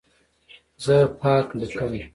زه پاک لیکم.